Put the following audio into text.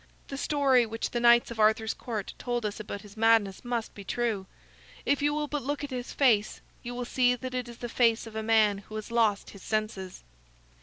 The story which the knights of Arthur's Court told us about his madness must be true. If you will but look at his face you will see that it is the face of a man who has lost his senses."